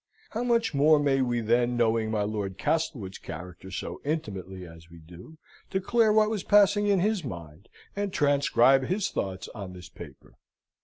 How much more may we then, knowing my Lord Castlewood's character so intimately as we do, declare what was passing in his mind, and transcribe his thoughts on this paper?